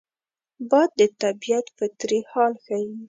باد د طبیعت فطري حال ښيي